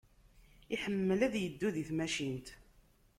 Iḥemmel ad iddu di tmacint.